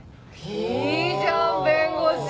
いいじゃん弁護士！